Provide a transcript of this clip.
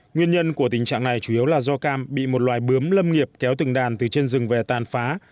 nguyên nhân của tình trạng này chủ yếu là do cam bị một loài bướm lâm nghiệp kéo từng đàn từ trên rừng về tàn phá